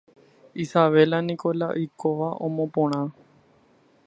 Isabelínako la oikóva omoporã.